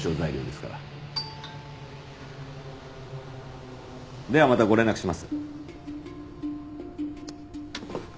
ではまたご連絡します。